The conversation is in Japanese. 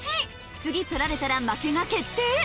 次取られたら負けが決定！